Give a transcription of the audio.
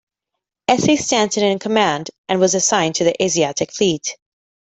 S. A. Stanton in command, and was assigned to the Asiatic Fleet.